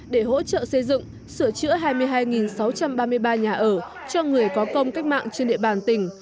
để hỗ trợ xây dựng sửa chữa hai mươi hai sáu trăm ba mươi ba nhà ở cho người có công cách mạng trên địa bàn tỉnh